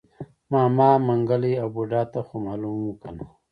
ماما منګلی او بوډا ته خومالوم و کنه.